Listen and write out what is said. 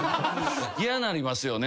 嫌になりますよね。